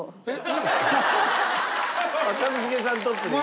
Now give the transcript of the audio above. えっ。